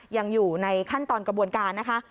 ยังอยู่ในขั้นตอนกระบวนการนะคะ